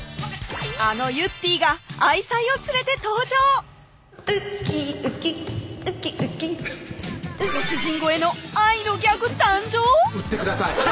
あのゆってぃが愛妻を連れて登場ご主人超えの愛のギャグ誕生？